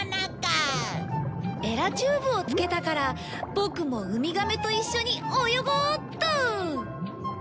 エラチューブを付けたからボクもウミガメと一緒に泳ごうっと！